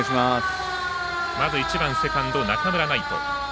まず１番、セカンド、中村騎士。